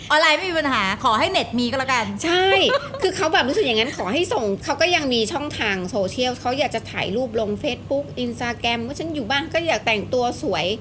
ไลน์ไม่มีปัญหาขอให้เน็ตมีก็แล้วกันใช่คือเขาแบบรู้สึกอย่างนั้นขอให้ส่งเขาก็ยังมีช่องทางโซเชียลเขาอยากจะถ่ายรูปลงเฟซบุ๊คอินสตาแกรมว่าฉันอยู่บ้านก็อยากแต่งตัวสวย